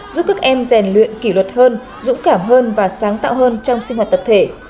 giúp các em rèn luyện kỷ luật hơn dũng cảm hơn và sáng tạo hơn trong sinh hoạt tập thể